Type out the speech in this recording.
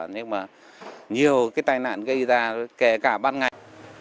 nhưng mà nhiều cái tai nạn gây ra kể cả ban ngày